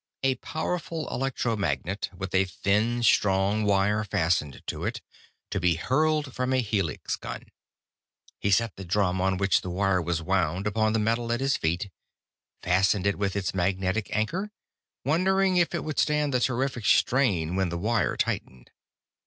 A powerful electromagnet, with a thin, strong wire fastened to it, to be hurled from a helix gun. He set the drum on which the wire was wound upon the metal at his feet, fastened it with its magnetic anchor, wondering if it would stand the terrific strain when the wire tightened.